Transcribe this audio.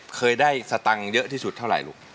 เคยได้สตังค์เยอะที่สุดเท่าไหร่ลูก